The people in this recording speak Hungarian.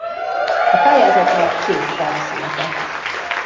A pályázatra két terv született.